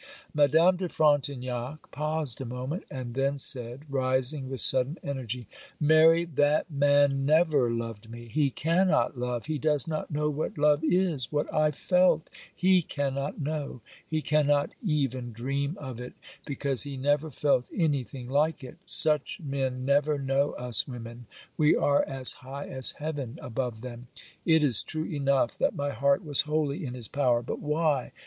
Madame de Frontignac paused a moment; and then said, rising with sudden energy, 'Mary, that man never loved me; he cannot love; he does not know what love is; what I felt he cannot know; he cannot even dream of it, because he never felt anything like it; such men never know us women; we are as high as heaven above them; it is true enough that my heart was wholly in his power, but why?